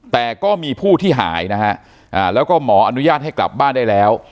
แต่ก็มีผู้ที่หายนะฮะแล้วก็หมออนุญาตให้กลับบ้านได้แล้ว